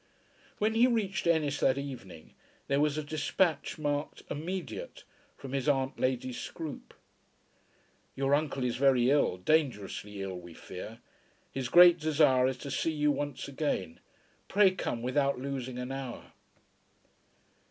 When he reached Ennis that evening there was a despatch marked "Immediate," from his aunt Lady Scroope. "Your uncle is very ill; dangerously ill, we fear. His great desire is to see you once again. Pray come without losing an hour."